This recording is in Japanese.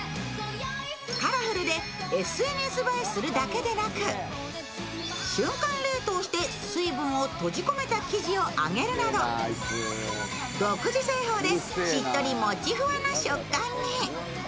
カラフルでＳＮＳ映えするだけでなく瞬間冷凍して水分を閉じ込めた生地を揚げるなど、独自製法でしっとりもちふわな食感に。